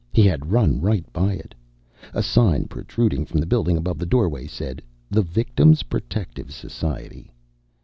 He had run right by it. A sign protruding from the building above the doorway said THE VICTIM'S PROTECTIVE SOCIETY.